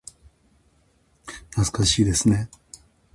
懐かしいですね。